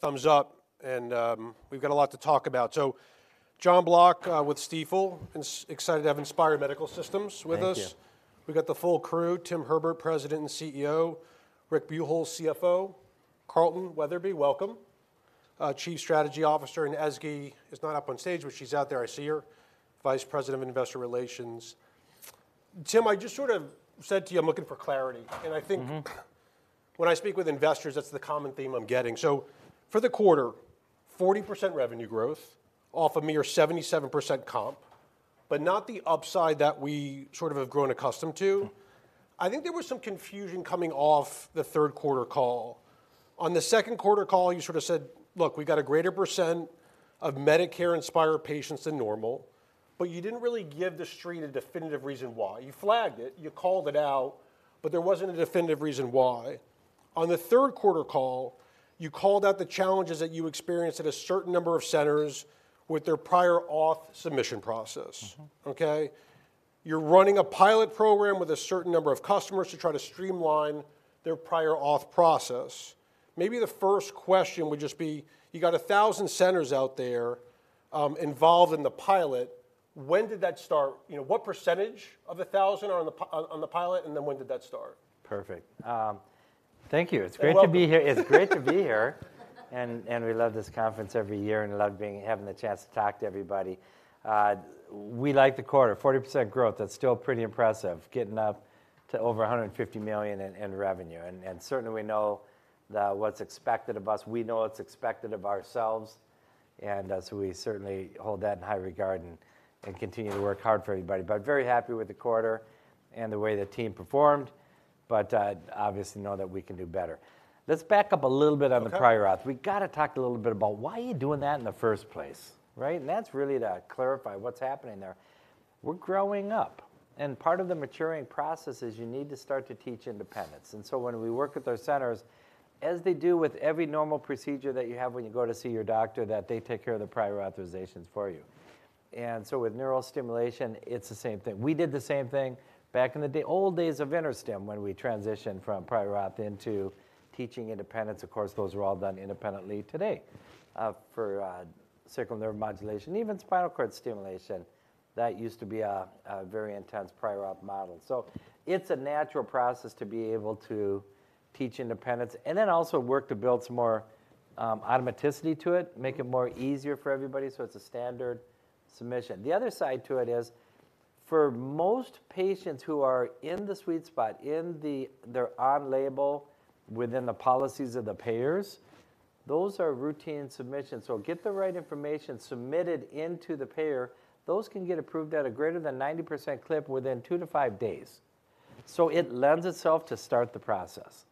Thumbs up, and we've got a lot to talk about. So Jon Block, with Stifel, and so excited to have Inspire Medical Systems with us. Thank you. We've got the full crew: Tim Herbert, President and CEO; Rick Buchholz, CFO; Carlton Weatherby, welcome, Chief Strategy Officer, and Ezgi is not up on stage, but she's out there, I see her, Vice President of Investor Relations. Tim, I just sort of said to you, I'm looking for clarity. Mm-hmm. I think when I speak with investors, that's the common theme I'm getting. So for the quarter, 40% revenue growth off of a mere 77% comp, but not the upside that we sort of have grown accustomed to. Mm. I think there was some confusion coming off the third quarter call. On the second quarter call, you sort of said, "Look, we've got a greater percent of Medicare Inspire patients than normal," but you didn't really give the street a definitive reason why. You flagged it, you called it out, but there wasn't a definitive reason why. On the third quarter call, you called out the challenges that you experienced at a certain number of centers with their prior auth submission process. Mm-hmm. Okay? You're running a pilot program with a certain number of customers to try to streamline their prior auth process. Maybe the first question would just be: you got 1,000 centers out there, involved in the pilot. When did that start? You know, what percentage of the 1,000 are on the pilot, and then when did that start? Perfect. Thank you. You're welcome. It's great to be here. It's great to be here, and, and we love this conference every year, and love being, having the chance to talk to everybody. We like the quarter. 40% growth, that's still pretty impressive, getting up to over $150 million in revenue, and, and certainly we know what's expected of us. We know what's expected of ourselves, and, so we certainly hold that in high regard and, and continue to work hard for everybody. But very happy with the quarter and the way the team performed, but, obviously know that we can do better. Let's back up a little bit on the prior auth. Okay. We've got to talk a little bit about why you're doing that in the first place, right? And that's really to clarify what's happening there. We're growing up, and part of the maturing process is you need to start to teach independence. And so when we work with our centers, as they do with every normal procedure that you have when you go to see your doctor, that they take care of the prior authorizations for you. And so with neural stimulation, it's the same thing. We did the same thing back in the day, old days of InterStim, when we transitioned from prior auth into teaching independence. Of course, those are all done independently today, for spinal nerve modulation, even spinal cord stimulation. That used to be a very intense prior auth model. So it's a natural process to be able to teach independence, and then also work to build some more automaticity to it, make it more easier for everybody, so it's a standard submission. The other side to it is, for most patients who are in the sweet spot, in the, they're on label within the policies of the payers, those are routine submissions. So get the right information submitted into the payer. Those can get approved at a greater than 90% clip within 2-5 days. So it lends itself to start the process.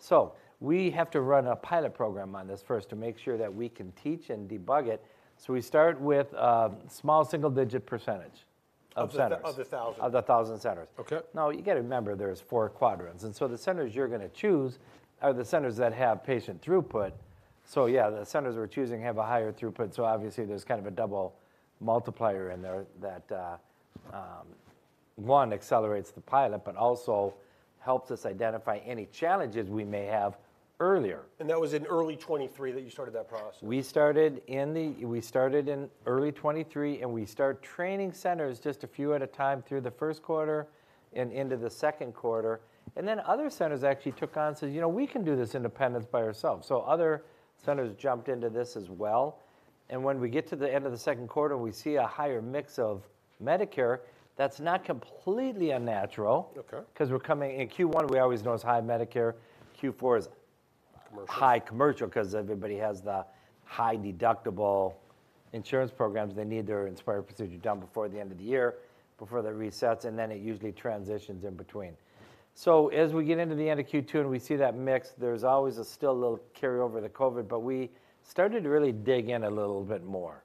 So we have to run a pilot program on this first to make sure that we can teach and debug it. So we start with a small single-digit percentage of centers. Of the thousand. Of the 1,000 centers. Okay. Now, you got to remember, there's four quadrants, and so the centers you're going to choose are the centers that have patient throughput. So yeah, the centers we're choosing have a higher throughput, so obviously there's kind of a double multiplier in there that accelerates the pilot, but also helps us identify any challenges we may have earlier. That was in early 2023, that you started that process? We started in early 2023, and we started training centers just a few at a time through the first quarter and into the second quarter. And then other centers actually took on, said, "You know, we can do this independently by ourselves." So other centers jumped into this as well, and when we get to the end of the second quarter, and we see a higher mix of Medicare, that's not completely unnatural. Okay. 'Cause we're coming in Q1, we always know is high Medicare, Q4 is- Commercial... high commercial, 'cause everybody has the high-deductible insurance programs. They need their Inspire procedure done before the end of the year, before the reset, and then it usually transitions in between. So as we get into the end of Q2, and we see that mix, there's always a still little carryover of the COVID, but we started to really dig in a little bit more.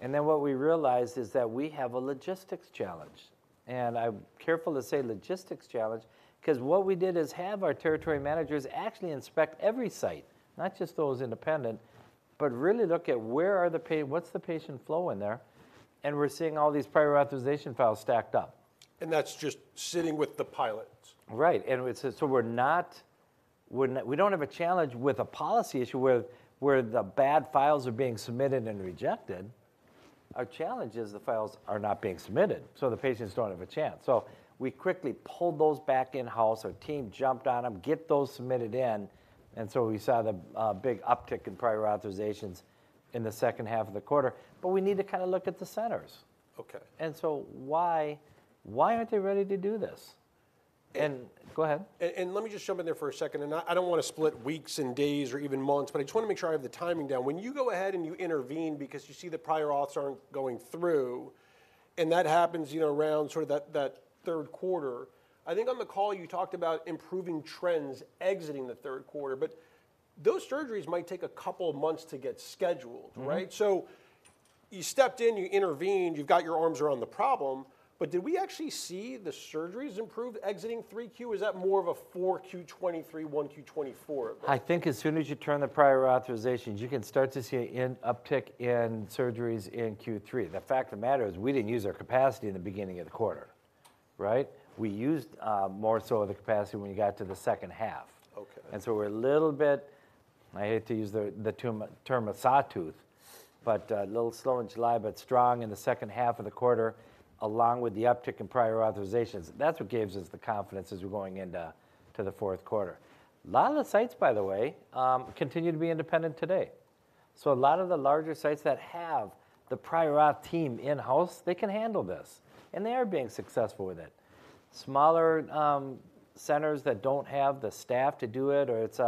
And then what we realized is that we have a logistics challenge, and I'm careful to say logistics challenge, 'cause what we did is have our territory managers actually inspect every site, not just those independent, but really look at where are the - what's the patient flow in there, and we're seeing all these prior authorization files stacked up. That's just sitting with the pilots? Right. So we're not, we don't have a challenge with a policy issue, where the bad files are being submitted and rejected. Our challenge is the files are not being submitted, so the patients don't have a chance. So we quickly pulled those back in-house. Our team jumped on them, get those submitted in, and so we saw the big uptick in prior authorizations in the second half of the quarter. But we need to kind of look at the centers. Okay. Why, why aren't they ready to do this? And- Go ahead. Let me just jump in there for a second, and I, I don't want to split weeks and days or even months, but I just want to make sure I have the timing down. When you go ahead, and you intervene because you see the prior auths aren't going through, and that happens, you know, around sort of that, that third quarter, I think on the call you talked about improving trends exiting the third quarter. But those surgeries might take a couple of months to get scheduled, right? Mm-hmm. So you stepped in, you intervened, you've got your arms around the problem. But did we actually see the surgeries improve exiting Q3, or is that more of a 4Q23, 1Q24? I think as soon as you turn the prior authorizations, you can start to see an uptick in surgeries in Q3. The fact of the matter is, we didn't use our capacity in the beginning of the quarter.... right? We used, more so of the capacity when we got to the second half. Okay. We're a little bit. I hate to use the term of sawtooth, but a little slow in July, but strong in the second half of the quarter, along with the uptick in prior authorizations. That's what gives us the confidence as we're going into the fourth quarter. A lot of the sites, by the way, continue to be independent today. So a lot of the larger sites that have the prior auth team in-house, they can handle this, and they are being successful with it. Smaller centers that don't have the staff to do it or it's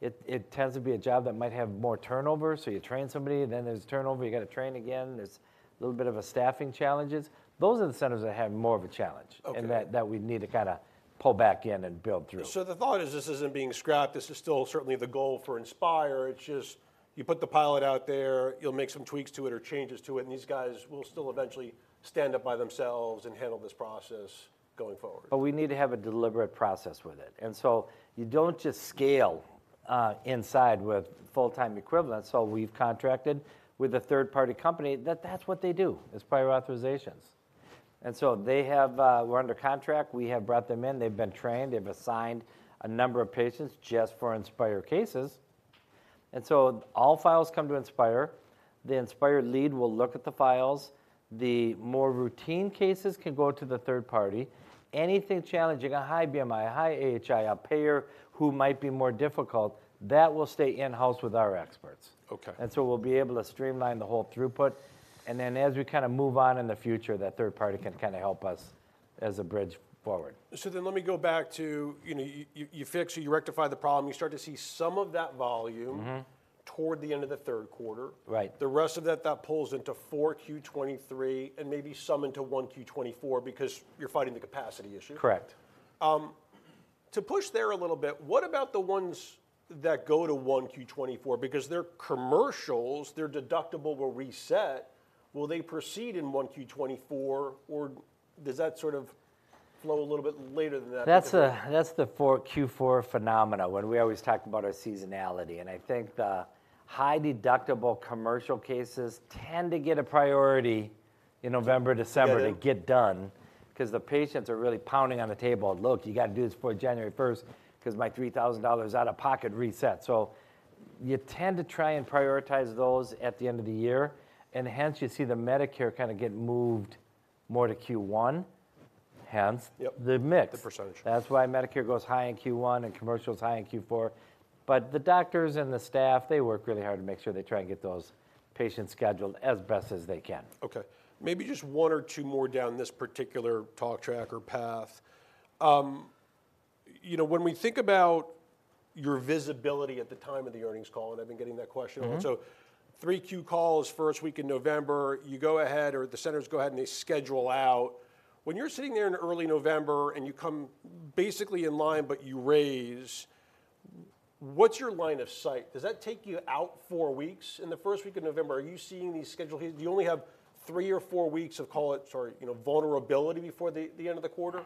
it tends to be a job that might have more turnover, so you train somebody, then there's turnover, you gotta train again. There's a little bit of a staffing challenges. Those are the centers that have more of a challenge. Okay. and that we need to kinda pull back in and build through. So the thought is this isn't being scrapped, this is still certainly the goal for Inspire. It's just, you put the pilot out there, you'll make some tweaks to it or changes to it, and these guys will still eventually stand up by themselves and handle this process going forward. But we need to have a deliberate process with it. And so you don't just scale inside with full-time equivalents, so we've contracted with a third-party company, that's what they do, is prior authorizations. And so they have, we're under contract, we have brought them in, they've been trained, they've assigned a number of patients just for Inspire cases. And so all files come to Inspire. The Inspire lead will look at the files. The more routine cases can go to the third party. Anything challenging, a high BMI, a high AHI, a payer who might be more difficult, that will stay in-house with our experts. Okay. And so we'll be able to streamline the whole throughput, and then as we kinda move on in the future, that third party can kinda help us as a bridge forward. So then let me go back to, you know, you fix or you rectify the problem, you start to see some of that volume- Mm-hmm ... toward the end of the third quarter. Right. The rest of that, that pulls into 4Q 2023, and maybe some into 1Q 2024, because you're fighting the capacity issue? Correct. To push there a little bit, what about the ones that go to 1Q24? Because they're commercials, their deductible will reset. Will they proceed in 1Q24, or does that sort of flow a little bit later than that? That's the Q4 phenomena, when we always talk about our seasonality. I think the high-deductible commercial cases tend to get a priority in November, December- Get a- -to get done, 'cause the patients are really pounding on the table, "Look, you gotta do this before January first, 'cause my $3,000 out-of-pocket reset." So you tend to try and prioritize those at the end of the year, and hence, you see the Medicare kinda get moved more to Q1, hence- Yep... the mix. The percentage. That's why Medicare goes high in Q1 and commercial is high in Q4. But the doctors and the staff, they work really hard to make sure they try and get those patients scheduled as best as they can. Okay, maybe just one or two more down this particular talk track or path. You know, when we think about your visibility at the time of the earnings call, and I've been getting that question a lot. Mm-hmm. So 3Q calls, first week in November, you go ahead, or the centers go ahead and they schedule out. When you're sitting there in early November and you come basically in line, but you raise, what's your line of sight? Does that take you out 4 weeks? In the first week of November, are you seeing these schedule? Do you only have 3 or 4 weeks of, call it, sort of, you know, vulnerability before the end of the quarter?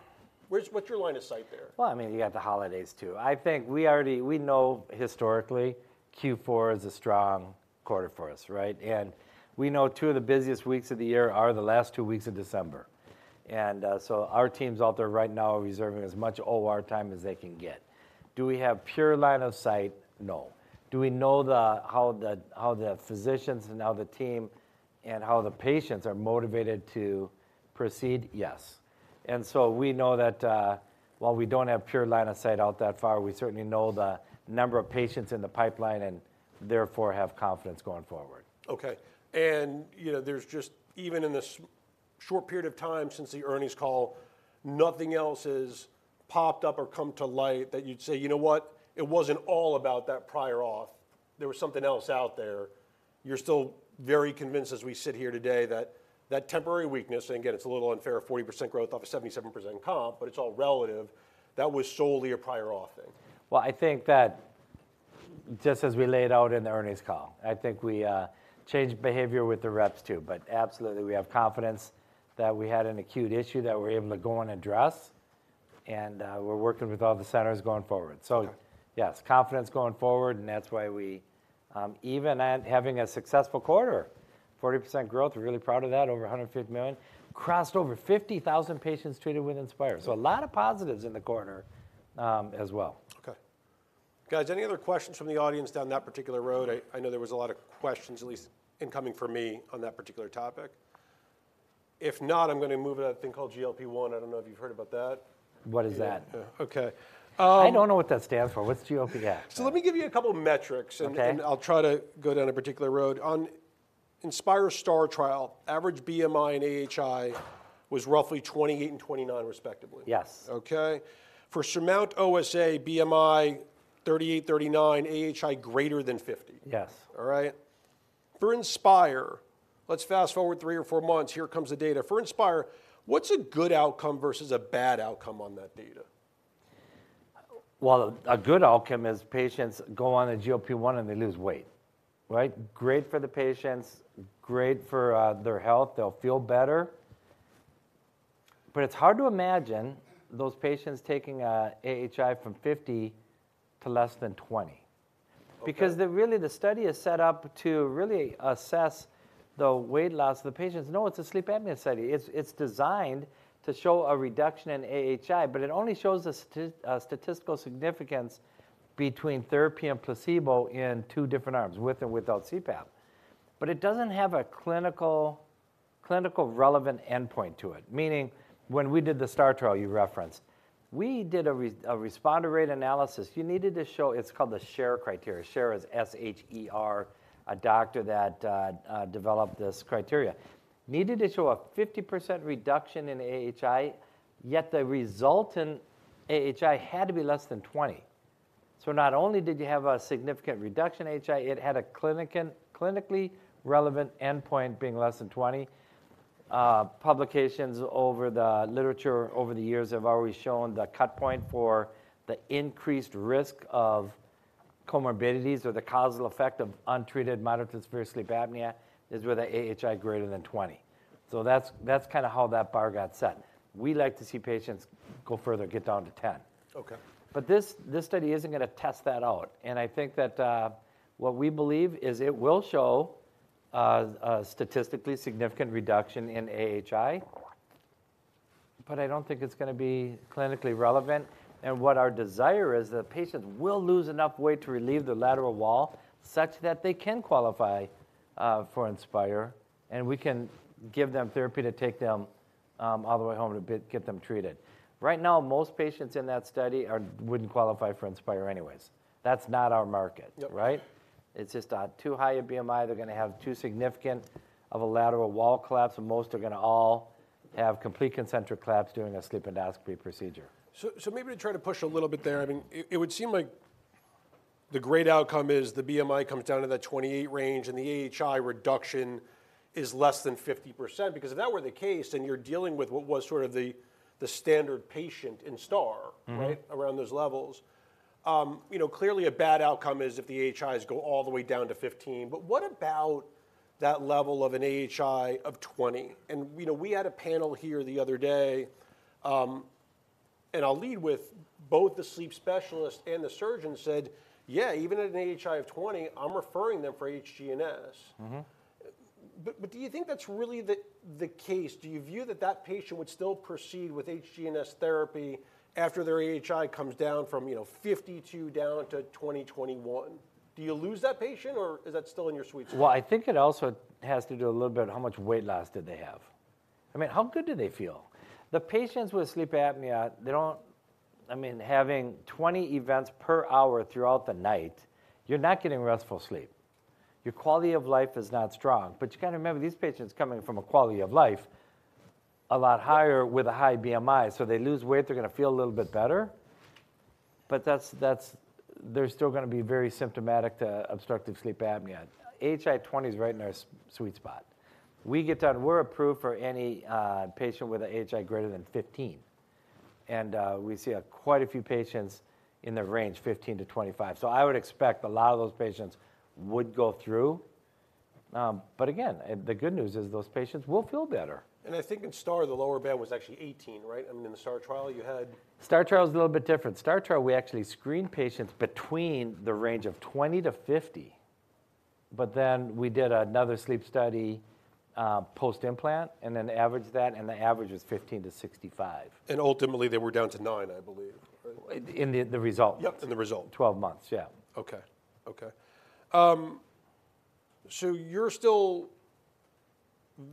What's your line of sight there? Well, I mean, you got the holidays, too. I think we already... We know historically, Q4 is a strong quarter for us, right? And we know two of the busiest weeks of the year are the last two weeks of December. And so our teams out there right now are reserving as much OR time as they can get. Do we have pure line of sight? No. Do we know the, how the, how the physicians and how the team and how the patients are motivated to proceed? Yes. And so we know that, while we don't have pure line of sight out that far, we certainly know the number of patients in the pipeline and therefore, have confidence going forward. Okay. And, you know, there's just, even in this short period of time since the earnings call, nothing else has popped up or come to light that you'd say, "You know what? It wasn't all about that prior auth. There was something else out there." You're still very convinced as we sit here today that that temporary weakness, and again, it's a little unfair, 40% growth off a 77% comp, but it's all relative, that was solely a prior auth thing? Well, I think that just as we laid out in the earnings call, I think we, changed behavior with the reps, too. But absolutely, we have confidence that we had an acute issue that we're able to go and address, and, we're working with all the centers going forward. Okay. So yes, confidence going forward, and that's why we, even at having a successful quarter, 40% growth, we're really proud of that, over $150 million, crossed over 50,000 patients treated with Inspire. Wow! A lot of positives in the quarter, as well. Okay. Guys, any other questions from the audience down that particular road? I know there was a lot of questions, at least incoming from me on that particular topic. If not, I'm gonna move to that thing called GLP-1. I don't know if you've heard about that. What is that? Okay, I don't know what that stands for. What's GLP-1? Let me give you a couple metrics- Okay... and I'll try to go down a particular road. On Inspire STAR trial, average BMI and AHI was roughly 28 and 29, respectively. Yes. Okay? For SURMOUNT-OSA, BMI 38-39, AHI greater than 50. Yes. All right? For Inspire, let's fast-forward three or four months, here comes the data. For Inspire, what's a good outcome versus a bad outcome on that data? Well, a good outcome is patients go on a GLP-1, and they lose weight, right? Great for the patients, great for their health. They'll feel better. But it's hard to imagine those patients taking a AHI from 50 to less than 20.... because really, the study is set up to really assess the weight loss of the patients. No, it's a sleep apnea study. It's designed to show a reduction in AHI, but it only shows a statistical significance between therapy and placebo in two different arms, with or without CPAP. But it doesn't have a clinical relevant endpoint to it, meaning when we did the STAR trial you referenced, we did a responder rate analysis. You needed to show... It's called the Sher criteria. Sher is S-H-E-R, a doctor that developed this criteria. Needed to show a 50% reduction in AHI, yet the resultant AHI had to be less than 20. So not only did you have a significant reduction AHI, it had a clinically relevant endpoint being less than 20. Publications over the literature over the years have always shown the cut point for the increased risk of comorbidities or the causal effect of untreated moderate to severe sleep apnea is with a AHI greater than 20. So that's, that's kind of how that bar got set. We like to see patients go further, get down to 10. Okay. But this, this study isn't gonna test that out, and I think that, what we believe is it will show, a statistically significant reduction in AHI, but I don't think it's gonna be clinically relevant. And what our desire is, the patient will lose enough weight to relieve the lateral wall, such that they can qualify, for Inspire, and we can give them therapy to take them, all the way home to get them treated. Right now, most patients in that study are... wouldn't qualify for Inspire anyways. That's not our market- Yep.... right? It's just too high a BMI. They're gonna have too significant of a lateral wall collapse, and most are gonna all have complete concentric collapse during a sleep endoscopy procedure. So, maybe to try to push a little bit there, I mean, it would seem like the great outcome is the BMI comes down to that 28 range, and the AHI reduction is less than 50%. Because if that were the case, then you're dealing with what was sort of the standard patient in STAR- Mm-hmm... right? Around those levels. You know, clearly a bad outcome is if the AHIs go all the way down to 15, but what about that level of an AHI of 20? And, you know, we had a panel here the other day, and I'll lead with both the sleep specialist and the surgeon said, "Yeah, even at an AHI of 20, I'm referring them for HGNS. Mm-hmm. But do you think that's really the case? Do you view that patient would still proceed with HGNS therapy after their AHI comes down from, you know, 52 down to 20, 21? Do you lose that patient, or is that still in your sweet spot? Well, I think it also has to do a little bit how much weight loss did they have? I mean, how good do they feel? The patients with sleep apnea, they don't... I mean, having 20 events per hour throughout the night, you're not getting restful sleep. Your quality of life is not strong. But you gotta remember, these patients coming from a quality of life a lot higher with a high BMI. So they lose weight, they're gonna feel a little bit better, but that's, that's... They're still gonna be very symptomatic to obstructive sleep apnea. AHI 20 is right in our sweet spot. We get that we're approved for any patient with an AHI greater than 15, and we see quite a few patients in the range 15-25. So I would expect a lot of those patients would go through. But again, the good news is those patients will feel better. I think in STAR, the lower band was actually 18, right? I mean, in the STAR Trial, you had- STAR Trial is a little bit different. STAR Trial, we actually screened patients between the range of 20-50, but then we did another sleep study, post-implant, and then averaged that, and the average was 15-65. Ultimately, they were down to nine, I believe, right? In the result. Yep, in the result. 12 months, yeah. Okay, okay. So you're still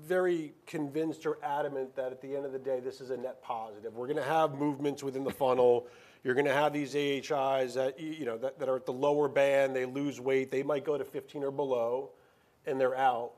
very convinced or adamant that at the end of the day, this is a net positive. We're gonna have movements within the funnel. You're gonna have these AHIs that, you know, that are at the lower band. They lose weight. They might go to 15 or below, and they're out.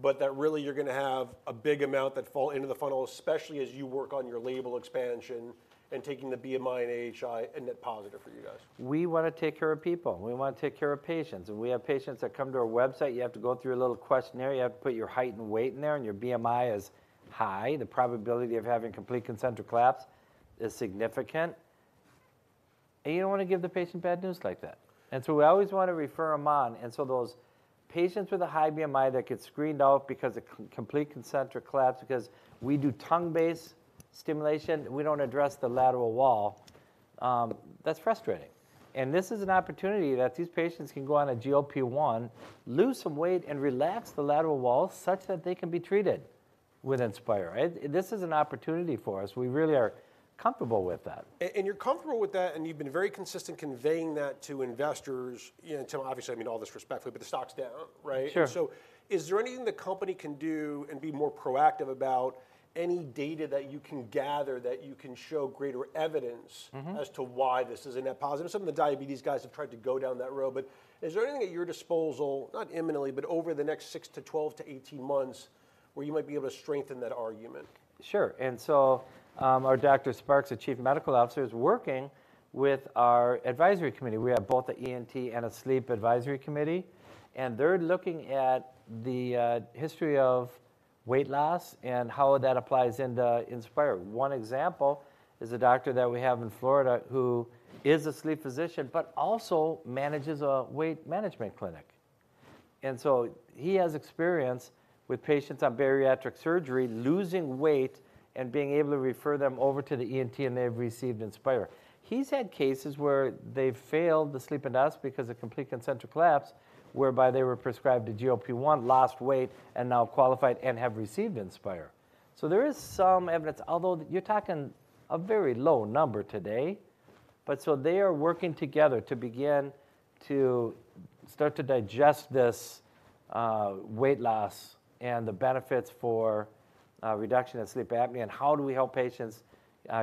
But that really you're gonna have a big amount that fall into the funnel, especially as you work on your label expansion and taking the BMI and AHI, a net positive for you guys. We wanna take care of people. We wanna take care of patients, and we have patients that come to our website. You have to go through a little questionnaire. You have to put your height and weight in there, and your BMI is high. The probability of having complete concentric collapse is significant, and you don't wanna give the patient bad news like that. And so we always want to refer them on. And so those patients with a high BMI that get screened out because of complete concentric collapse, because we do tongue-based stimulation, we don't address the lateral wall, that's frustrating. And this is an opportunity that these patients can go on a GLP-1, lose some weight, and relax the lateral wall, such that they can be treated with Inspire. This is an opportunity for us. We really are comfortable with that. and you're comfortable with that, and you've been very consistent conveying that to investors, you know, until... Obviously, I mean all this respectfully, but the stock's down, right? Sure. Is there anything the company can do and be more proactive about any data that you can gather, that you can show greater evidence... Mm-hmm... as to why this is a net positive? Some of the diabetes guys have tried to go down that road, but is there anything at your disposal, not imminently, but over the next 6 to 12 to 18 months, where you might be able to strengthen that argument? Sure, and so, our Dr. Schwartz, the Chief Medical Officer, is working with our advisory committee. We have both the ENT and a sleep advisory committee, and they're looking at the history of weight loss and how that applies into Inspire. One example is a doctor that we have in Florida who is a sleep physician, but also manages a weight management clinic, and so he has experience with patients on bariatric surgery, losing weight, and being able to refer them over to the ENT, and they've received Inspire. He's had cases where they've failed the sleep study because of complete concentric collapse, whereby they were prescribed a GLP-1, lost weight, and now qualified and have received Inspire. So there is some evidence, although you're talking a very low number today. So they are working together to begin to start to digest this, weight loss and the benefits for reduction in sleep apnea, and how do we help patients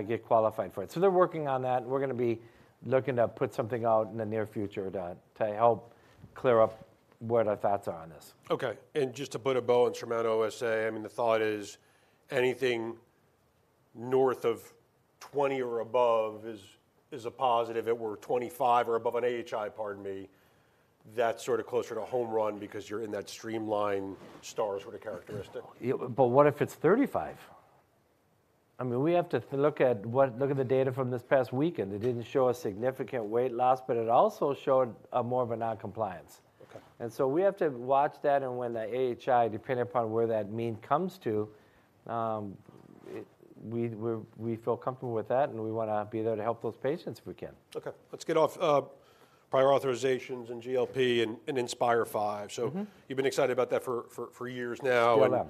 get qualified for it? So they're working on that, and we're gonna be looking to put something out in the near future to help clear up what our thoughts are on this. Okay, and just to put a bow on SURMOUNT-OSA, I mean, the thought is anything north of 20 or above is, is a positive. If it were 25 or above on AHI, pardon me, that's sort of closer to a home run because you're in that streamline STAR sort of characteristic. Yeah, but what if it's 35? I mean, we have to look at the data from this past weekend. It didn't show a significant weight loss, but it also showed a more of a non-compliance. Okay. And so we have to watch that and when the AHI, depending upon where that mean comes to, we feel comfortable with that, and we wanna be there to help those patients if we can. Okay, let's get off prior authorizations and GLP and Inspire V. Mm-hmm. So you've been excited about that for years now. Still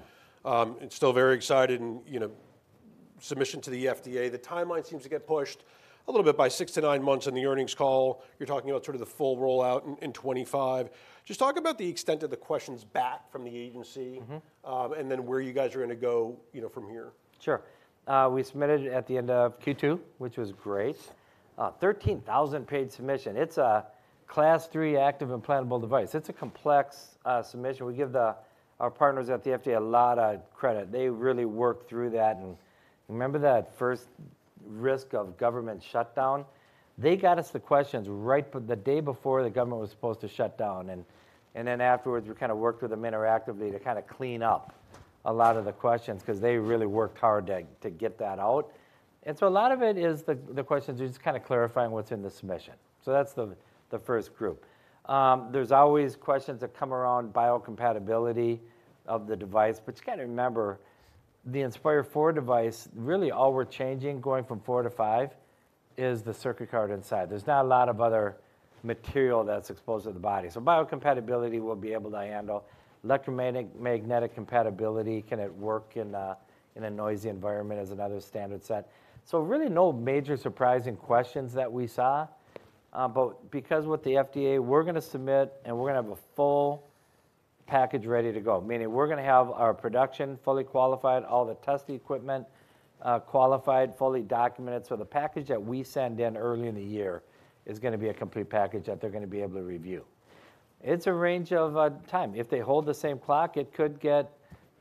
am... and still very excited and, you know, submission to the FDA. The timeline seems to get pushed a little bit by 6-9 months in the earnings call. You're talking about sort of the full rollout in 2025. Just talk about the extent of the questions back from the agency. Mm-hmm... and then where you guys are gonna go, you know, from here. Sure. We submitted at the end of Q2, which was great. 13,000-page submission. It's a Class III active implantable device. It's a complex submission. We give our partners at the FDA a lot of credit. They really worked through that. And remember that first risk of government shutdown? They got us the questions right before the day before the government was supposed to shut down, and then afterwards, we kinda worked with them interactively to kinda clean up a lot of the questions 'cause they really worked hard to get that out. And so a lot of it is the questions are just kinda clarifying what's in the submission. So that's the first group. There's always questions that come around biocompatibility of the device, but you gotta remember, the Inspire IV device, really all we're changing, going from IV to V, is the circuit card inside. There's not a lot of other material that's exposed to the body. So biocompatibility we'll be able to handle. Electromagnetic compatibility, can it work in a noisy environment, is another standard set. So really, no major surprising questions that we saw. But because with the FDA, we're gonna submit, and we're gonna have a full package ready to go, meaning we're gonna have our production fully qualified, all the test equipment, qualified, fully documented. So the package that we send in early in the year is gonna be a complete package that they're gonna be able to review. It's a range of time. If they hold the same clock, it could get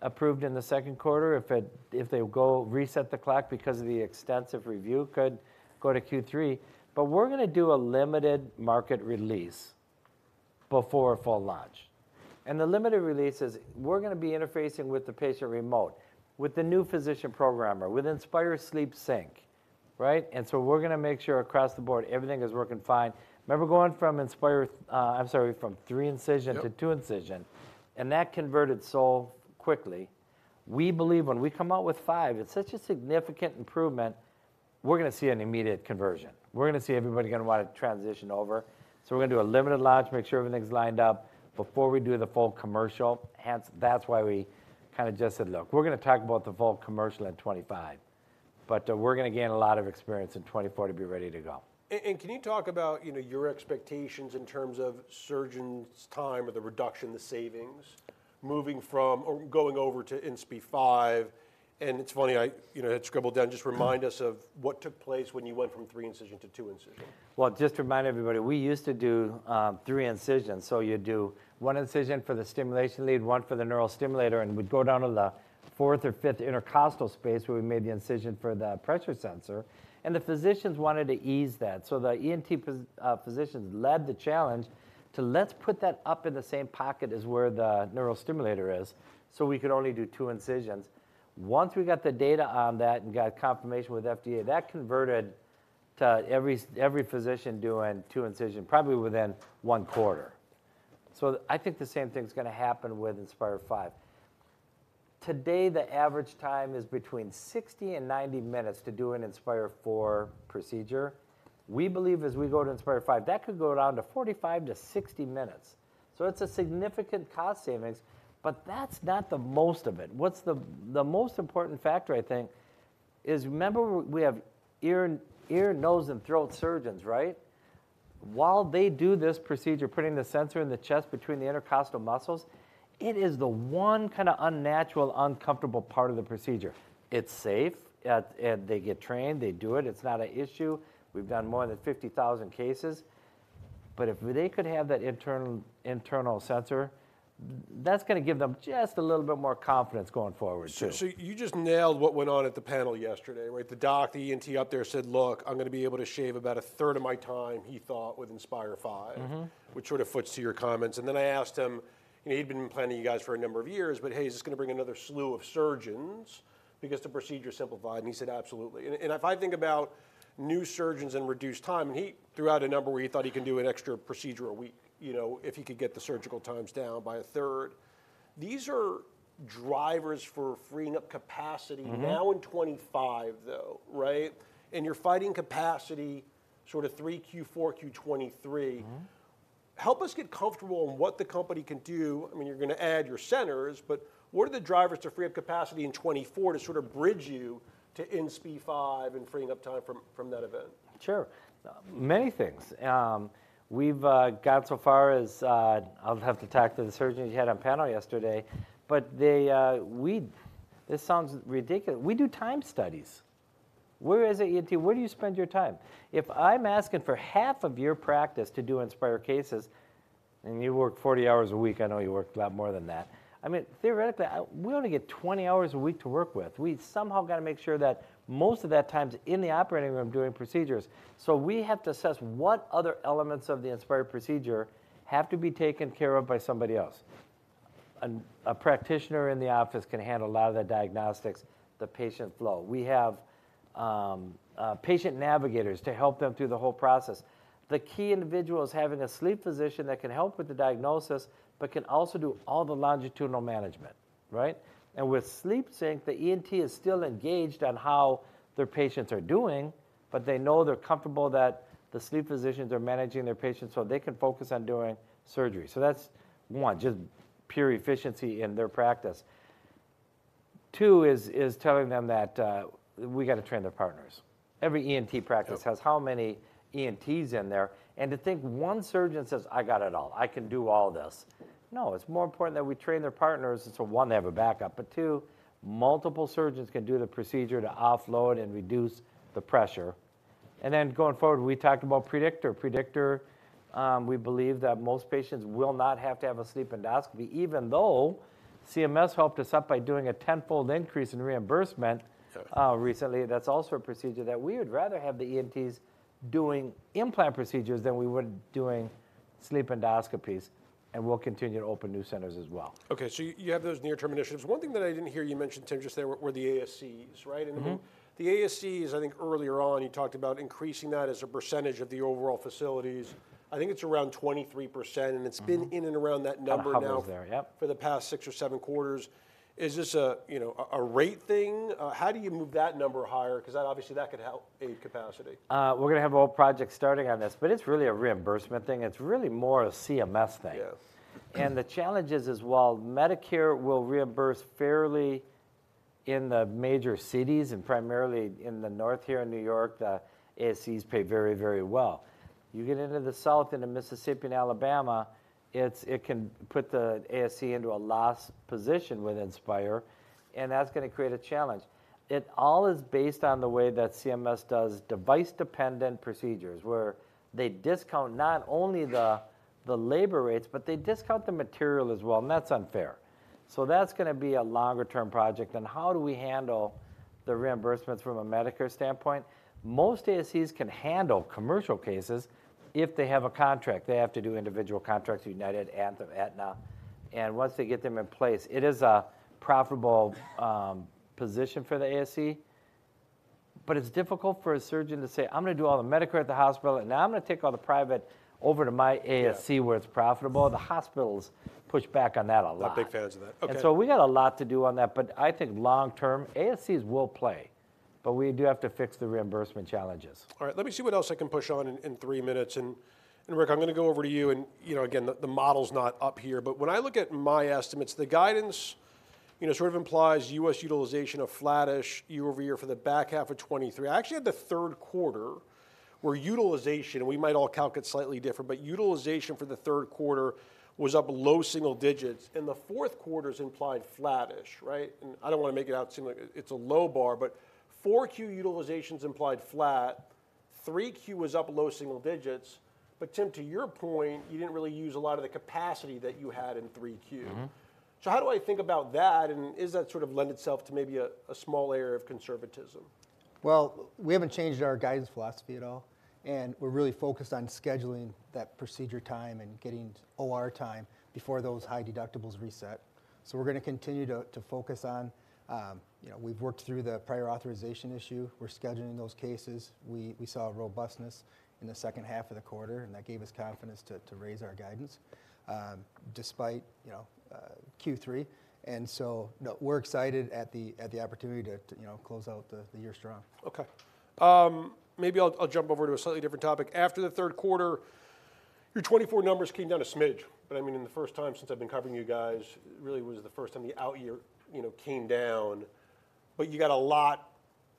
approved in the second quarter. If it, if they go reset the clock because of the extensive review, could go to Q3. But we're gonna be doing a limited market release before a full launch, and the limited release is we're gonna be interfacing with the patient remote, with the new physician programmer, with Inspire SleepSync, right? And so we're gonna make sure across the board, everything is working fine. Remember going from Inspire, I'm sorry, from three incision- Yep... to 2 incision, and that converted so quickly. We believe when we come out with 5, it's such a significant improvement, we're gonna see an immediate conversion. We're gonna see everybody gonna wanna transition over. So we're gonna do a limited launch, make sure everything's lined up before we do the full commercial. Hence, that's why we kinda just said, "Look, we're gonna talk about the full commercial in 2025, but, we're gonna gain a lot of experience in 2024 to be ready to go. Can you talk about, you know, your expectations in terms of surgeons' time or the reduction, the savings, moving from or going over to Inspire V? And it's funny, I, you know, had scribbled down. Just remind us of what took place when you went from three-incision to two-incision. Well, just to remind everybody, we used to do three incisions. So you'd do one incision for the stimulation lead, one for the neural stimulator, and we'd go down to the fourth or fifth intercostal space, where we made the incision for the pressure sensor. And the physicians wanted to ease that. So the ENT physicians led the challenge to, "Let's put that up in the same pocket as where the neural stimulator is," so we could only do two incisions. Once we got the data on that and got confirmation with FDA, that converted to every physician doing two incision, probably within one quarter. So I think the same thing's gonna happen with Inspire V. Today, the average time is between 60 and 90 minutes to do an Inspire IV procedure. We believe as we go to Inspire V, that could go down to 45-60 minutes, so it's a significant cost savings. But that's not the most of it. What's the most important factor, I think, is remember, we have ear, nose, and throat surgeons, right? While they do this procedure, putting the sensor in the chest between the intercostal muscles, it is the one kinda unnatural, uncomfortable part of the procedure. It's safe. And they get trained, they do it. It's not an issue. We've done more than 50,000 cases. But if they could have that internal sensor, that's gonna give them just a little bit more confidence going forward, too. So, you just nailed what went on at the panel yesterday, right? The doc, the ENT up there, said, "Look, I'm gonna be able to shave about a third of my time," he thought, with Inspire V- Mm-hmm... which sort of foots to your comments. And then I asked him, you know, he'd been implanting you guys for a number of years, but, hey, is this gonna bring another slew of surgeons? Because the procedure is simplified, and he said, "Absolutely." And, and if I think about new surgeons and reduced time, and he threw out a number where he thought he can do an extra procedure a week, you know, if he could get the surgical times down by a third.... These are drivers for freeing up capacity- Mm-hmm. -now in 2025, though, right? And you're fighting capacity sort of three Q4, Q23. Mm. Help us get comfortable with what the company can do. I mean, you're gonna add your centers, but what are the drivers to free up capacity in 2024 to sort of bridge you to Inspire V and freeing up time from that event? Sure. Many things. We've got so far as I'll have to talk to the surgeon you had on panel yesterday, but they, we-- this sounds ridiculous. We do time studies. Where is the ENT? Where do you spend your time? If I'm asking for half of your practice to do Inspire cases, and you work 40 hours a week, I know you work a lot more than that. I mean, theoretically, we only get 20 hours a week to work with. We've somehow got to make sure that most of that time's in the operating room doing procedures. So we have to assess what other elements of the Inspire procedure have to be taken care of by somebody else. And a practitioner in the office can handle a lot of the diagnostics, the patient flow. We have patient navigators to help them through the whole process. The key individual is having a sleep physician that can help with the diagnosis, but can also do all the longitudinal management, right? And with SleepSync, the ENT is still engaged on how their patients are doing, but they know they're comfortable that the sleep physicians are managing their patients, so they can focus on doing surgery. So that's one, just pure efficiency in their practice. Two is telling them that we got to train their partners. Every ENT practice- Sure... has how many ENTs in there, and to think one surgeon says, "I got it all. I can do all this." No, it's more important that we train their partners, so, one, they have a backup, but two, multiple surgeons can do the procedure to offload and reduce the pressure. And then going forward, we talked about Predictor. Predictor, we believe that most patients will not have to have a sleep endoscopy, even though CMS helped us out by doing a tenfold increase in reimbursement- Sure... recently. That's also a procedure that we would rather have the ENTs doing implant procedures than we would doing sleep endoscopies, and we'll continue to open new centers as well. Okay, so you have those near-term initiatives. One thing that I didn't hear you mention, Tim, just there, were the ASCs, right? Mm-hmm. The ASCs, I think earlier on, you talked about increasing that as a percentage of the overall facilities. I think it's around 23%. Mm-hmm... and it's been in and around that number now- Hovers there. Yep For the past 6 or 7 quarters. Is this a, you know, a rate thing? How do you move that number higher? 'Cause that obviously, that could help aid capacity. We're gonna have a whole project starting on this, but it's really a reimbursement thing. It's really more a CMS thing. Yes. The challenge is, is while Medicare will reimburse fairly in the major cities and primarily in the north here in New York, the ASCs pay very, very well. You get into the south, into Mississippi and Alabama, it can put the ASC into a loss position with Inspire, and that's gonna create a challenge. It all is based on the way that CMS does device-dependent procedures, where they discount not only the labor rates, but they discount the material as well, and that's unfair. So that's gonna be a longer-term project. And how do we handle the reimbursements from a Medicare standpoint? Most ASCs can handle commercial cases if they have a contract. They have to do individual contracts, United, Anthem, Aetna. Once they get them in place, it is a profitable position for the ASC, but it's difficult for a surgeon to say, "I'm gonna do all the Medicare at the hospital, and now I'm gonna take all the private over to my ASC- Yeah Where it's profitable. The hospitals push back on that a lot. Not big fans of that. Okay. We got a lot to do on that, but I think long term, ASCs will play, but we do have to fix the reimbursement challenges. All right, let me see what else I can push on in three minutes. And Rick, I'm gonna go over to you, and you know, again, the model's not up here, but when I look at my estimates, the guidance you know sort of implies U.S. utilization of flattish year-over-year for the back half of 2023. I actually had the third quarter, where utilization, we might all count it slightly different, but utilization for the third quarter was up low single digits, and the fourth quarter's implied flattish, right? And I don't want to make it out to seem like it's a low bar, but 4Q utilization's implied flat, 3Q was up low single digits. But Tim, to your point, you didn't really use a lot of the capacity that you had in 3Q. Mm-hmm. How do I think about that, and is that sort of lend itself to maybe a small layer of conservatism? Well, we haven't changed our guidance philosophy at all, and we're really focused on scheduling that procedure time and getting OR time before those high deductibles reset. So we're gonna continue to focus on, you know, we've worked through the prior authorization issue. We're scheduling those cases. We saw a robustness in the second half of the quarter, and that gave us confidence to raise our guidance, despite, you know, Q3. And so, no, we're excited at the opportunity to, you know, close out the year strong. Okay. Maybe I'll jump over to a slightly different topic. After the third quarter, your 2024 numbers came down a smidge, but I mean, in the first time since I've been covering you guys, really was the first time the out year, you know, came down. But you got a lot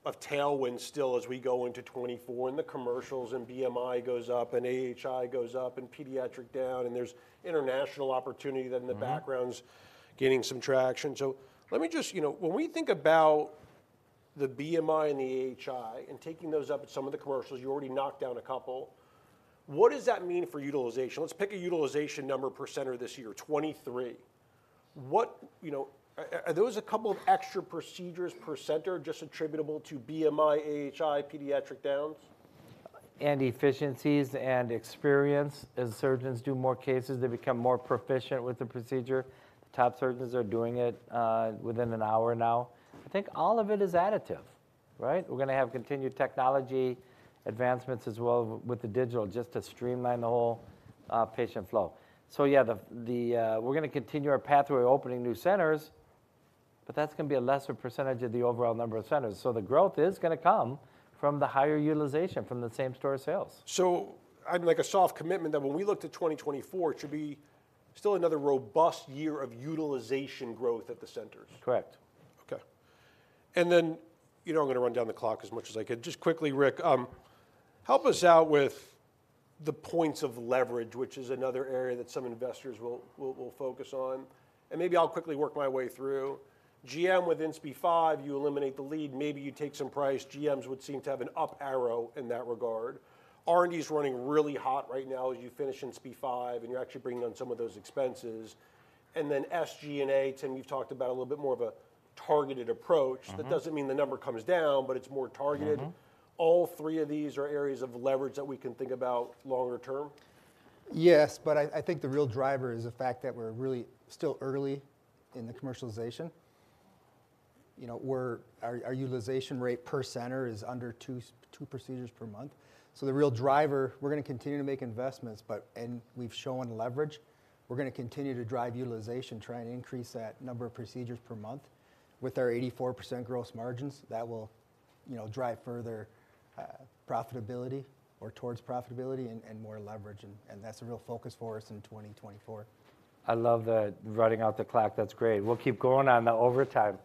of tailwind still as we go into 2024, and the commercials and BMI goes up, and AHI goes up, and pediatric Downs, and there's international opportunity- Mm-hmm... then the background's gaining some traction. So let me just, you know, when we think about the BMI and the AHI and taking those up at some of the commercials, you already knocked down a couple. What does that mean for utilization? Let's pick a utilization number per center this year, 23. What... You know, are those a couple of extra procedures per center just attributable to BMI, AHI, pediatric Downs? Efficiencies and experience. As surgeons do more cases, they become more proficient with the procedure. Top surgeons are doing it within an hour now. I think all of it is additive. Right? We're gonna have continued technology advancements as well with the digital, just to streamline the whole patient flow. So yeah, we're gonna continue our pathway opening new centers, but that's gonna be a lesser percentage of the overall number of centers. So the growth is gonna come from the higher utilization from the same-store sales. I'd like a soft commitment that when we look to 2024, it should be still another robust year of utilization growth at the centers. Correct. Okay. And then, you know I'm gonna run down the clock as much as I can. Just quickly, Rick, help us out with the points of leverage, which is another area that some investors will focus on, and maybe I'll quickly work my way through. GM, with Inspire V, you eliminate the lead, maybe you take some price. GMs would seem to have an up arrow in that regard. R&D's running really hot right now as you finish Inspire V, and you're actually bringing down some of those expenses. And then SG&A, Tim, you've talked about a little bit more of a targeted approach- Mm-hmm. That doesn't mean the number comes down, but it's more targeted. Mm-hmm. All three of these are areas of leverage that we can think about longer term? Yes, but I think the real driver is the fact that we're really still early in the commercialization. You know, our utilization rate per center is under two procedures per month. So the real driver, we're gonna continue to make investments, but, and we've shown leverage. We're gonna continue to drive utilization, try and increase that number of procedures per month. With our 84% gross margins, that will, you know, drive further profitability or towards profitability and more leverage, and that's the real focus for us in 2024. I love the running out the clock. That's great. We'll keep going on the overtime.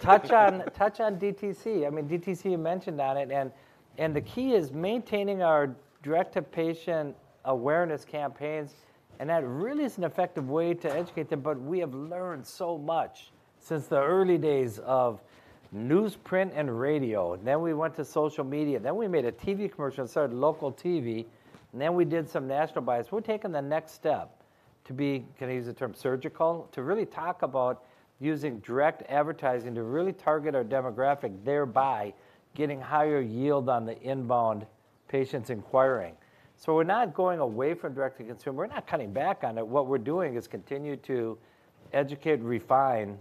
Touch on, touch on DTC. I mean, DTC, you mentioned on it, and the key is maintaining our direct-to-patient awareness campaigns, and that really is an effective way to educate them. But we have learned so much since the early days of news, print, and radio, then we went to social media, then we made a TV commercial and started local TV, and then we did some national buys. We're taking the next step to be, can I use the term surgical? To really talk about using direct advertising to really target our demographic, thereby getting higher yield on the inbound patients inquiring. So we're not going away from direct-to-consumer. We're not cutting back on it. What we're doing is continue to educate, refine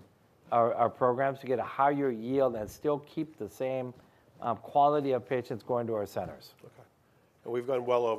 our programs to get a higher yield and still keep the same quality of patients going to our centers. Okay. And we've gone well over-